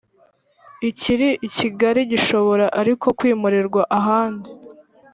Ikiri I Kigali Gishobora ariko kwimurirwa ahandi